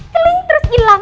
keling terus ilang